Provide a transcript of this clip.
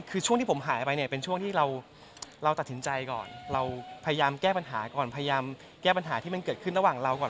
คือช่วงที่ผมหายไปเนี่ยเป็นช่วงที่เราตัดสินใจก่อนเราพยายามแก้ปัญหาก่อนพยายามแก้ปัญหาที่มันเกิดขึ้นระหว่างเราก่อน